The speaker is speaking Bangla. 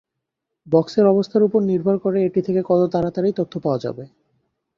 বাক্সের অবস্থার উপর নির্ভর করে এটি থেকে কত তাড়াতাড়ি তথ্য পাওয়া যাবে।